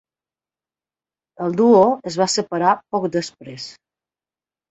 El duo es va separar poc després.